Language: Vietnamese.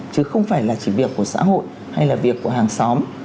chứ không phải là chỉ việc của xã hội hay là việc của hàng xóm